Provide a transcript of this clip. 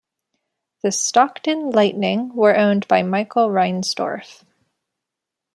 The Stockton Lightning were owned by Michael Reinsdorf.